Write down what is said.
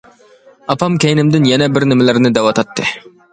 ئاپام كەينىمدىن يەنە بىر نېمىلەرنى دەۋاتاتتى.